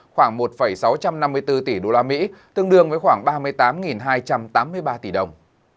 khoảng một sáu trăm năm mươi bốn tỷ đô la mỹ tương đương với khoảng ba mươi tám hai trăm tám mươi ba tỷ đồng